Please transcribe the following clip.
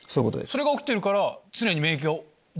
それが起きてるから。